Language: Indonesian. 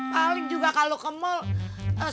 paling juga kalau ke mall